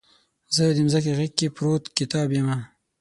زه دمځکې غیږ کې پروت کتاب یمه